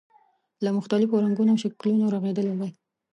له مختلفو رنګونو او شکلونو رغېدلی دی.